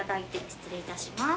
失礼いたします。